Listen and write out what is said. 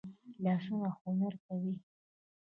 لاسونه هنر کوي